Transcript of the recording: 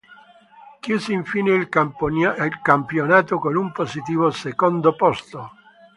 Chiuse infine il campionato con un positivo secondo posto.